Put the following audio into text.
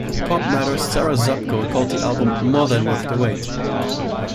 "PopMatters" Sarah Zupko called the album "more than worth the wait.